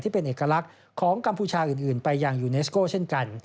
เป็นเอกลักษณ์ของกัมพูชาอื่นไปยังยูเนสโก้เช่นกัน